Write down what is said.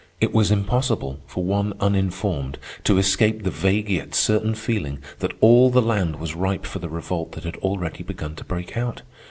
It was impossible for one uninformed to escape the vague yet certain feeling that all the land was ripe for the revolt that had already begun to break out.